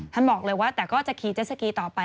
ท่านบอกเลยว่าแต่ก็จะขี่เจสสกีต่อไป